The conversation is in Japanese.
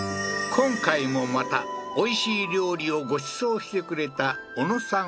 今回もまたおいしい料理をごちそうしてくれた小野さん